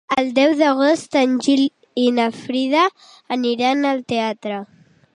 El deu d'agost en Gil i na Frida aniran al teatre.